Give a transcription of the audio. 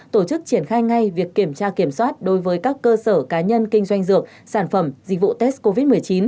tổ chức triển khai ngay việc kiểm tra kiểm soát đối với các cơ sở cá nhân kinh doanh dược sản phẩm dịch vụ test covid một mươi chín